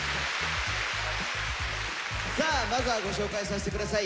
さあまずはご紹介させて下さい。